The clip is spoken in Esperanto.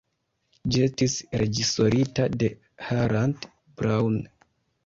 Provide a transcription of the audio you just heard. Ĝi estis reĝisorita de Harald Braun.